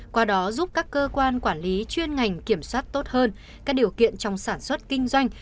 qua đó giúp các cơ quan quản lý chuyên ngành kiểm soát tốt hơn các điều kiện trong sản xuất kinh doanh